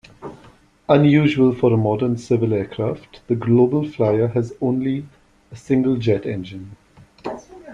Unusual for a modern civil aircraft, the GlobalFlyer has only a single jet engine.